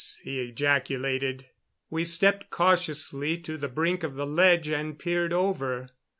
he ejaculated. We stepped cautiously to the brink of the ledge and peered over.